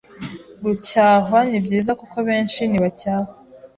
Gucyahwa nibyiza kuko benshi ntibacyahwa